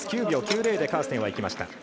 ９秒９０でカーステンはいきました。